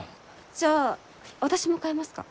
じゃあ私も買えますか？